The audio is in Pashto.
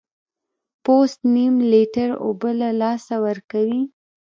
پوست نیم لیټر اوبه له لاسه ورکوي.